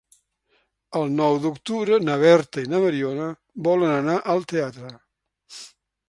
El nou d'octubre na Berta i na Mariona volen anar al teatre.